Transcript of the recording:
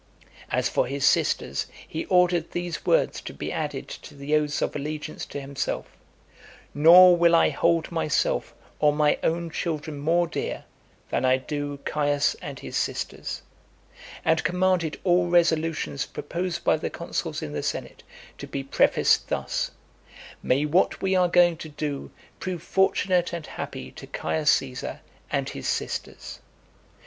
As for his sisters, he ordered these words to be added to the oaths of allegiance to himself: "Nor will I hold myself or my own children more dear than I do Caius and his sisters:" and commanded all resolutions proposed by the consuls in the senate to be prefaced thus: "May what we are going to do, prove fortunate and happy to Caius Caesar and his sisters."